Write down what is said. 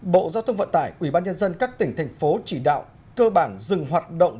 bộ giao thông vận tải ủy ban nhân dân các tỉnh thành phố chỉ đạo cơ bản dừng hoạt động